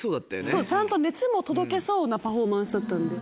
そうちゃんと熱も届けそうなパフォーマンスだったんで。